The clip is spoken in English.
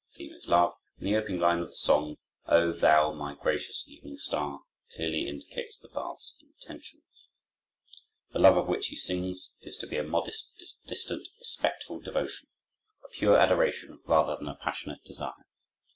The theme is love, and the opening line of the song, "O thou, my gracious evening star," clearly indicates the bard's intention. The love of which he sings is to be a modest, distant, respectful devotion, a pure adoration rather than a passionate desire.